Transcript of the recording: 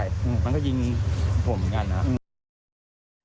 มันก็ยิงผมเหมือนกันนะครับ